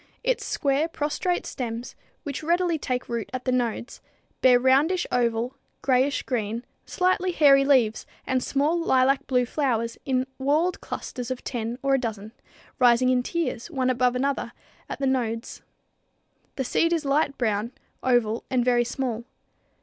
Its square, prostrate stems, which readily take root at the nodes, bear roundish oval, grayish green, slightly hairy leaves and small lilac blue flowers in whorled clusters of ten or a dozen, rising in tiers, one above another, at the nodes. The seed is light brown, oval and very small.